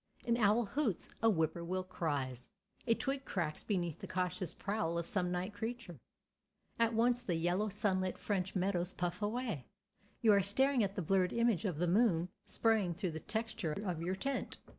An owl hoots, a whippoorwill cries, a twig cracks beneath the cautious prowl of some night creature—at once the yellow sunlit French meadows puff away—you are staring at the blurred image of the moon spraying through the texture of your tent.